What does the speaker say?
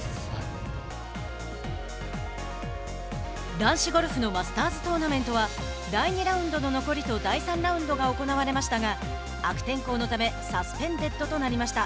男子ゴルフのマスターズ・トーナメントは第２ラウンドの残りと第３ラウンドが行われましたが悪天候のためサスペンデッドとなりました。